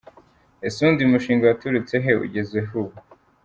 Ese ubundi uyu mushinga waturutse he? ugeze he ubu ?.